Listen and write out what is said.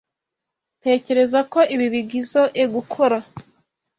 Ntekereza ko ibi bigizoe gukora.